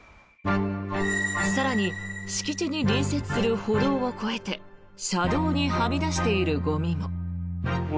更に敷地に隣接する歩道を越えて車道にはみ出しているゴミも。